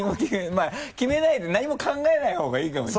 決めないで何も考えない方がいいかもしれない。